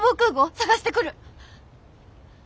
捜してくる。